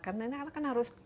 karena anak anak kan harus